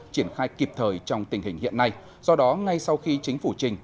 triển khai kịp thời trong tình hình hiện nay do đó ngay sau khi chính phủ trình